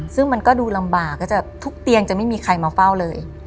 ซึ่งมันก็ดูลำบากก็จะทุกเตียงจะไม่มีใครมาเฝ้าเลย